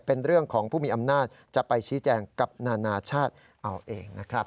เป็นเรื่องของผู้มีอำนาจจะไปชี้แจงกับนานาชาติเอาเองนะครับ